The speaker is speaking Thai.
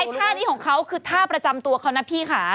อันนี้ไอ้ท่านี้ของเขาคือท่าประจำตัวเขาน่ะพี่ค้า